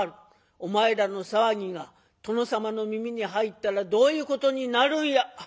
お前らの騒ぎが殿様の耳に入ったらどういうことになるんや？」。